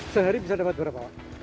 sehari bisa dapat berapa